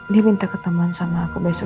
dia minta keteman sama aku besok